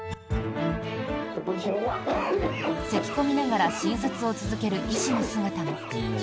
せき込みながら診察を続ける医師の姿も。